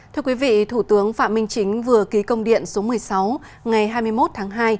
thưa quý vị thủ tướng phạm minh chính vừa ký công điện số một mươi sáu ngày hai mươi một tháng hai